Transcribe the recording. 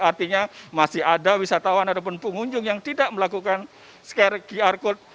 artinya masih ada wisatawan ataupun pengunjung yang tidak melakukan scare qr code